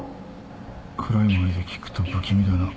暗い森で聞くと不気味だな。